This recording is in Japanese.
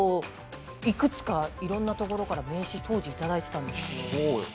いくつかいろんなところから当時名刺をいただいていたんです。